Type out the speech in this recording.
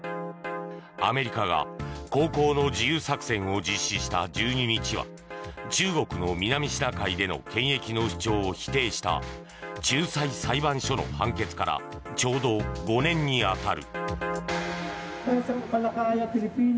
アメリカが航行の自由作戦を実施した１２日は中国の南シナ海での権益の主張を否定した仲裁裁判所の判決からちょうど５年に当たる。